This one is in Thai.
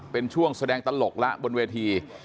เป็นช่วงแสดงตลกแล้วบนเวที